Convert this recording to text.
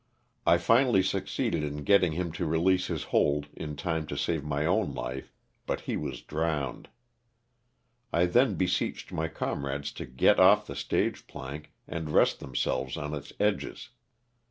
I finally succeeded in getting him to release his hold in time to save my own life, but he was drowned. I then beseeched my com rades to get off the stage plank and rest themselves on its edges.